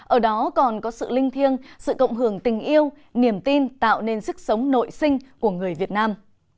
ở đó còn có sự linh thiêng sự cộng hưởng tình yêu niềm tin tạo nên sức sống nội sinh của người việt nam